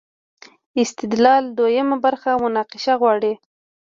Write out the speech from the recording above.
استدلال دویمه برخه مناقشه غواړي.